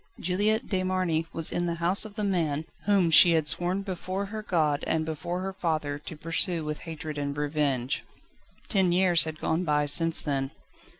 Juliette de Marny was in the house of the man, whom she had sworn before her God and before her father to pursue with hatred and revenge. Ten years had gone by since then.